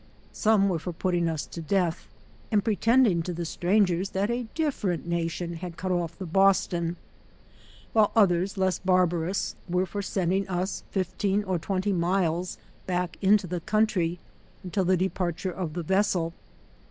Some were for putting us to death, and pretending to the strangers, that a dif ferent nation had cut off the Boston, while others, less barbarous, were for sending us fifteen or twen ty miles back into the country, until the departure of the vessel.